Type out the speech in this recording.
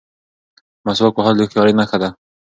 مسواک وهل د هوښیارۍ نښه ده.